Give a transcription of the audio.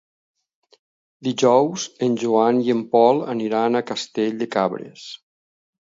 Dijous en Joan i en Pol aniran a Castell de Cabres.